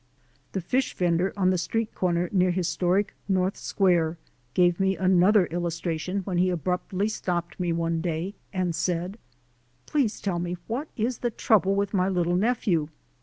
The fish vender on the street corner near historic North Square gave me another illustration when he abruptly stopped me one day and said : "Please tell me what is the trouble with my little nephew?"